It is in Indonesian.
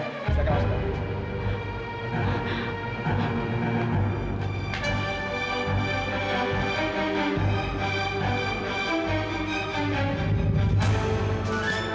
sini pergi ya